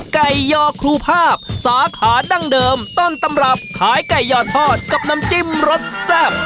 ยอครูภาพสาขาดั้งเดิมต้นตำรับขายไก่ยอทอดกับน้ำจิ้มรสแซ่บ